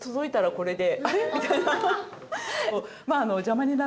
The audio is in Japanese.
これで。